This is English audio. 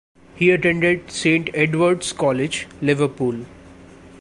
He attended Saint Edward's College, Liverpool.